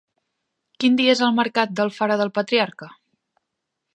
Quin dia és el mercat d'Alfara del Patriarca?